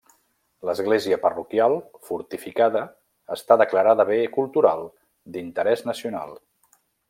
L'església parroquial fortificada està declarada bé cultural d'interès nacional.